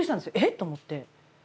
え！？と思って。